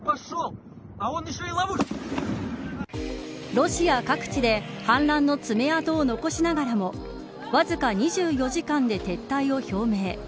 ロシア各地で反乱の爪痕を残しながらもわずか２４時間で撤退を表明。